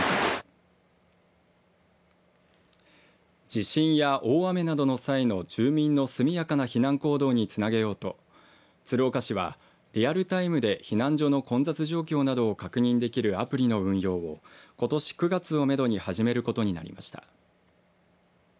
地震や大雨などの際の、住民の速やかな避難行動につなげようと鶴岡市は、リアルタイムで避難所の混雑状況などを確認できるアプリの運用をことし９月をめどに始めることになりました。